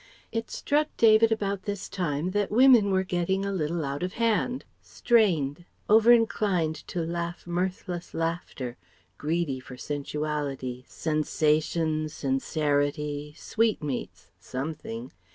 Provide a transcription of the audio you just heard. [It struck David about this time that women were getting a little out of hand, strained, over inclined to laugh mirthless laughter, greedy for sensuality, sensation, sincerity, sweetmeats. Something.